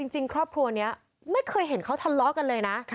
จริงครอบครัวนี้ไม่เคยเห็นเขาทะเลาะกันเลยนะ